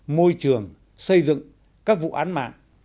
môi trường xây dựng các vụ án mạng